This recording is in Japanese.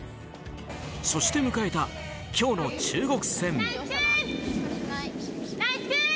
そして迎えた今日の中国戦。